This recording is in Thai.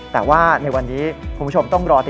แต่ว่าในวันนี้คุณผู้ชมต้องรอติด